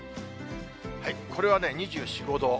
これはね、２４、５度。